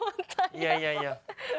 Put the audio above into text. いやいやいや。